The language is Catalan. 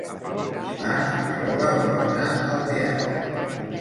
Dimarts na Lola vol anar al teatre.